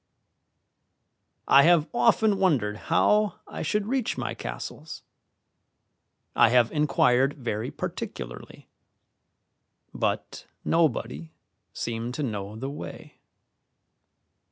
I have often wondered how I should reach my castles. I have inquired very particularly, but nobody seemed to know the way.